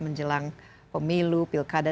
menjelang pemilu pilkada